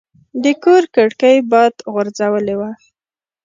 د کور کړکۍ باد غورځولې وه.